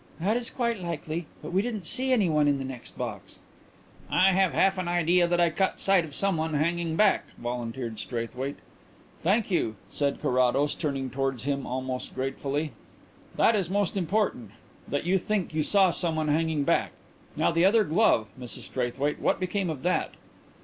"That is quite likely. But we didn't see anyone in the next box." "I have half an idea that I caught sight of someone hanging back," volunteered Straithwaite. "Thank you," said Carrados, turning towards him almost gratefully. "That is most important that you think you saw someone hanging back. Now the other glove, Mrs Straithwaite; what became of that?"